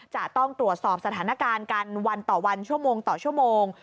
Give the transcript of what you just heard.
จะต้องตรวจสอบสถานการณ์กันวันต่อวันชั่วโมงต่อชั่วโมง